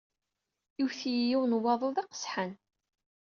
Iwet-iyi yiwen waḍu d aqesḥan.